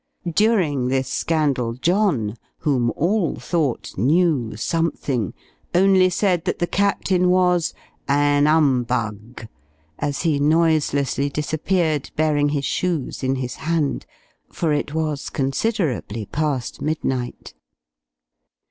During this scandal, John, whom all thought knew something, only said the Captain was an umbug as he noiselessly disappeared, bearing his shoes in his hand; for it was considerably past midnight.